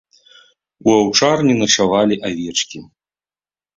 У аўчарні начавалі авечкі.